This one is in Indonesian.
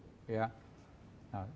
saya gak tahu